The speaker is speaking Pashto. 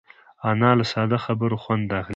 انا له ساده خبرو خوند اخلي